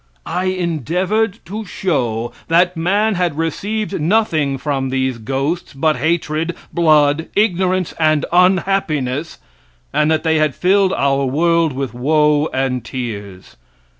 I endeavored to show that man had received nothing from these ghosts but hatred, blood, ignorance and unhappiness, and that they had filled our world with woe and tears.